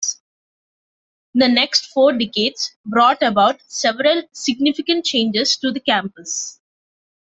The next four decades brought about several significant changes to the campus.